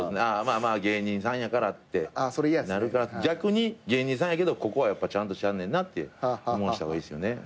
「まあ芸人さんやから」ってなるから逆に「芸人さんやけどここはちゃんとしてはんねん」って思わせた方がいいですよね。